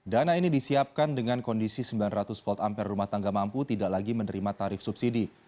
dana ini disiapkan dengan kondisi sembilan ratus volt ampere rumah tangga mampu tidak lagi menerima tarif subsidi